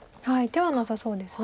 手はなさそうです。